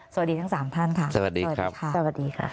สวัสดีทั้ง๓ท่านค่ะสวัสดีครับ